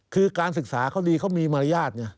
คือการศึกษาเขาดีเขามีมารยาทไง